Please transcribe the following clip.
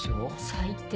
最低。